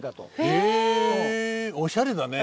へえおしゃれだね。